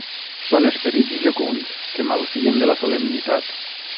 Són esperits jocunds que malfien de la solemnitat.